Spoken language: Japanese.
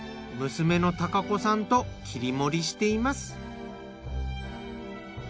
娘の貴子さんと切り盛りしています。